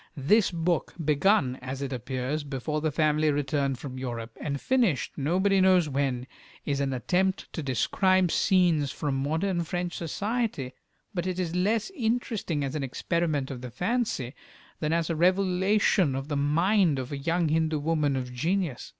This book, begun, as it appears, before the family returned from Europe, and finished nobody knows when, is an attempt to describe scenes from modern French society, but it is less interesting as an experiment of the fancy, than as a revelation of the mind of a young Hindu woman of genius.